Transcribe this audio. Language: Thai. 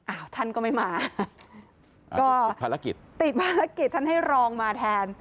อ้าวท่านก็ไม่มาก็ภารกิจติดภารกิจท่านให้รองมาแทน